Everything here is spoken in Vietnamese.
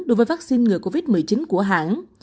đối với vaccine ngừa covid một mươi chín của hãng